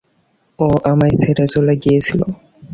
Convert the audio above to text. ও আমায় ছেড়ে চলে গিয়েছিল।